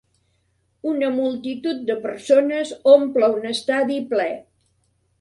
Una multitud de persones omple un estadi ple.